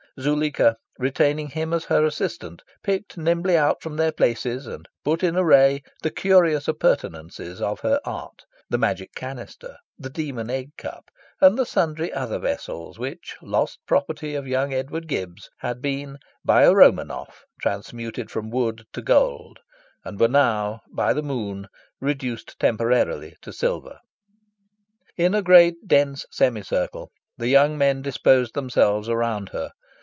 Zuleika, retaining him as her assistant, picked nimbly out from their places and put in array the curious appurtenances of her art the Magic Canister, the Demon Egg Cup, and the sundry other vessels which, lost property of young Edward Gibbs, had been by a Romanoff transmuted from wood to gold, and were now by the moon reduced temporarily to silver. In a great dense semicircle the young men disposed themselves around her.